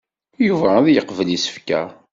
Yuba ad yeqbel isefka.